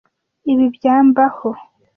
Ibi byambaho.